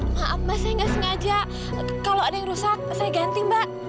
maaf mbak saya nggak sengaja kalau ada yang rusak saya ganti mbak